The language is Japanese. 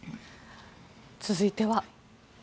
続いては。